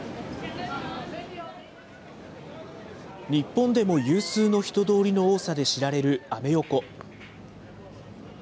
日本でも有数の人通りの多さで知られるアメ横。